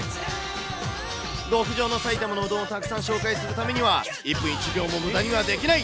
極上の埼玉のうどんをたくさん紹介するためには、１分１秒もむだにはできない。